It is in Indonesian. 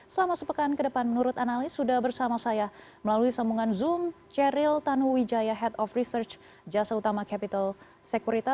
selama sepekan ke depan menurut analis sudah bersama saya melalui sambungan zoom ceril tanuwijaya head of research jasa utama capital security